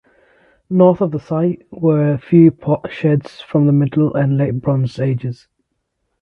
North of the site were few potsherds from the Middle and Late Bronze Ages.